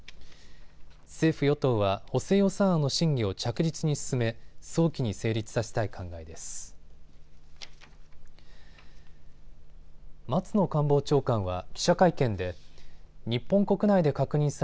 政府与党は補正予算案の審議を着実に進め、早期に成立させたい考えです。